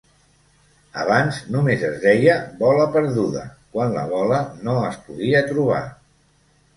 Abans, només es deia "bola perduda" quan la bola no es podia trobar.